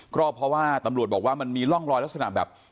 ก็เพราะว่าตำรวจบอกว่ามันมีร่องรอยลักษณะแบบ